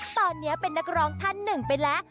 ตอนนี้เป็นนักร้องท่านหนึ่งไปแล้ว